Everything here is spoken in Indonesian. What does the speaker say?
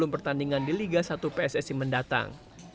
pertandingan di liga satu pssi mendatang